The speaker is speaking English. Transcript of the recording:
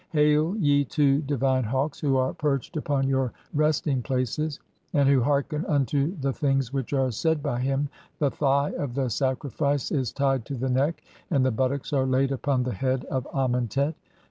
[Hail,] ye two divine Hawks who are "perched upon your resting places, and who hearken unto the "(5) things which are said by him, the thigh [of the sacrifice] "is tied to the neck, and the buttocks [are laid] upon the head "of Amentet.